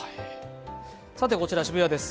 さて、こちら渋谷です。